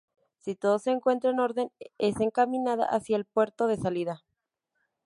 Si todo se encuentra en orden es encaminada hacia el puerto de salida.